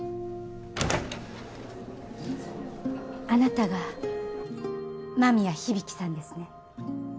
あなたが間宮響さんですね？